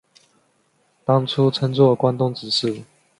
当初称作关东执事。